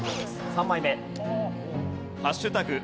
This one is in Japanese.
３枚目。